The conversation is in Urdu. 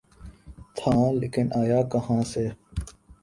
تھا‘ لیکن آیا کہاں سے؟